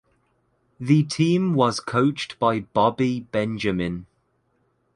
The team was coached by Bobby Benjamin.